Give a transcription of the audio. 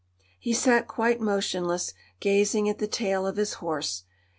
He sat quite motionless, gazing at the tail of his horse.